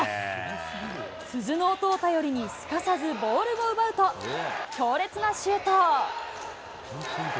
鈴の音を頼りに、すかさずボールを奪うと、強烈なシュート。